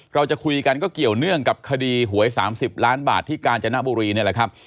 เราจะคุยกันก็เกี่ยวเนื่องกับคดีหวย๓๐ล้านบาทที่กาญจนบุรีนี่แหละครับ